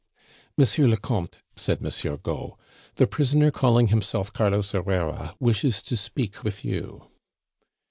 "Monsieur le Comte," said Monsieur Gault, "the prisoner calling himself Carlos Herrera wishes to speak with you."